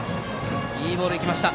いいボールが行きました。